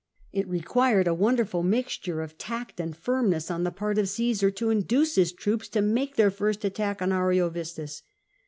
It re quired a wonderful mixture of tact and firmness on the part of Csosar to induce his troops to make their first attack on Ariovistus.